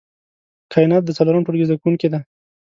کاينات د څلورم ټولګي زده کوونکې ده